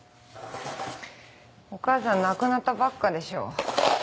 お母さん亡くなったばっかでしょ。